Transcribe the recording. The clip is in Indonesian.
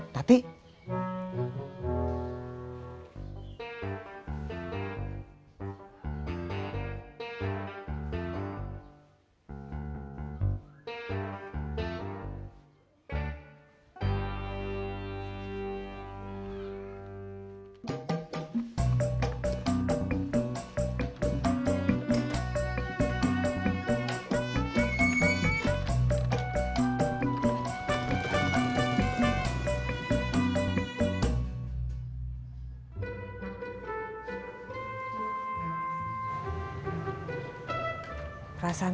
tak mau ke sana